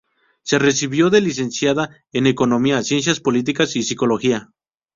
Se recibió de Licenciada en Economía, Ciencias Políticas y Psicología.